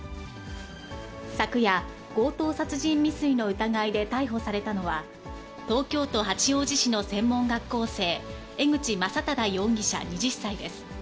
昨夜、強盗殺人未遂の疑いで逮捕されたのは、東京都八王子市の専門学校生、江口将匡容疑者２０歳です。